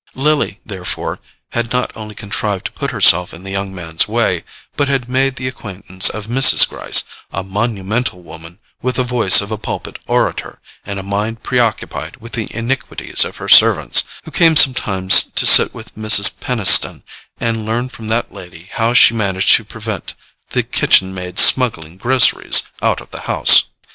Lily, therefore, had not only contrived to put herself in the young man's way, but had made the acquaintance of Mrs. Gryce, a monumental woman with the voice of a pulpit orator and a mind preoccupied with the iniquities of her servants, who came sometimes to sit with Mrs. Peniston and learn from that lady how she managed to prevent the kitchen maid's smuggling groceries out of the house.